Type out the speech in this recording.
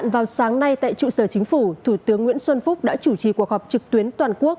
vào sáng nay tại trụ sở chính phủ thủ tướng nguyễn xuân phúc đã chủ trì cuộc họp trực tuyến toàn quốc